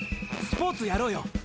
スポーツやろうよ。